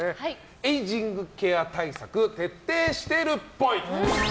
エイジングケア対策徹底してるっぽい。